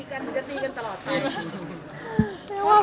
ไม่ว่าแบบไม่ยุ่งแล้ว